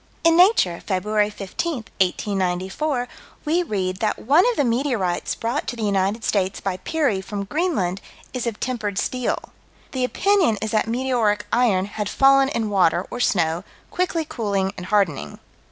In Nature, Feb. 15, 1894, we read that one of the meteorites brought to the United States by Peary, from Greenland, is of tempered steel. The opinion is that meteoric iron had fallen in water or snow, quickly cooling and hardening.